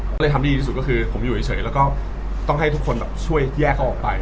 ก็เลยทำให้ดีที่สุดก็คือผมอยู่เฉยแล้วก็ต้องให้ทุกคนช่วยแยกเขาออกไป